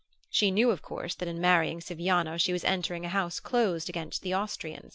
She knew, of course, that in marrying Siviano she was entering a house closed against the Austrian.